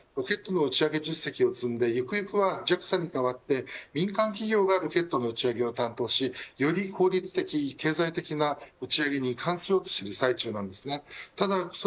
そして日本はロケットの打ち上げ実績を積んでゆくゆくはＪＡＸＡに代わって民間企業がロケットの打ち上げを担当しより効率的、経済的な打ち上げに移管しようとしています。